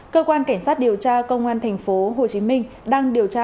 cơ quan cảnh sát điều tra công an thành phố hồ chí minh đang điều tra